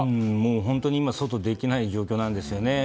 本当に今、外でできない状況なんですね。